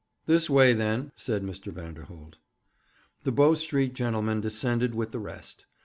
'This way, then,' said Mr. Vanderholt. The Bow Street gentlemen descended with the rest.